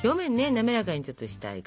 滑らかにちょっとしたいかな。